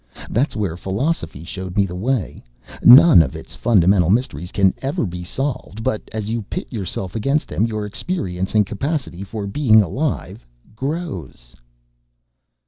That's where philosophy showed me the way. None of its fundamental mysteries can ever be solved but, as you pit yourself against them, your experience and capacity for being alive grows."